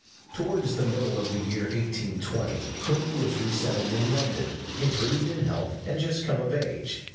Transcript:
] Towards the middle of the year 1820, Hood was re settled in London, improved in health, and just come of age.